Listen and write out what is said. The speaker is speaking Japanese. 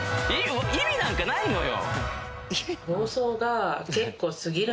意味なんか無いのよ。